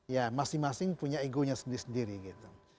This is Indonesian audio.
ya masing masing punya egonya sendiri sendiri gitu